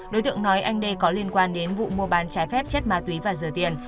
đối tượng nói anh đê có liên quan đến vụ mua bán trái phép chất ma túy và rửa tiền